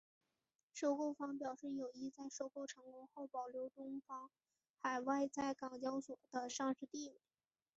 收购方表示有意在收购成功后保留东方海外在港交所的上市地位。